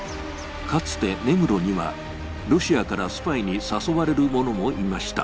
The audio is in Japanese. かつて根室にはロシアからスパイに誘われる者もいました。